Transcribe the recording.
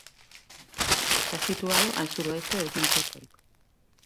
Está situado al suroeste del centro histórico.